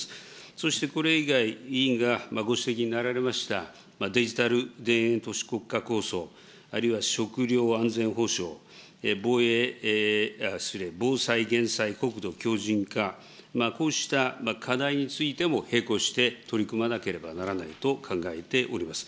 そしてこれ以外、委員がご指摘になられました、デジタル田園都市国家構想、あるいは食料安全保障、防衛、失礼、防災・減災、国土強じん化、こうした課題についても並行して取り組まなければならないと考えております。